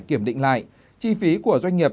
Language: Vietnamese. kiểm định lại chi phí của doanh nghiệp